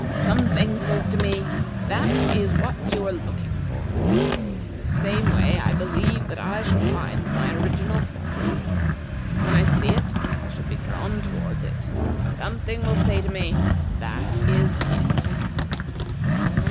Something says to me: 'That is what you are looking for.' In the same way I believe that I shall find my original form. When I see it, I shall be drawn towards it. Something will say to me: 'That is it.'"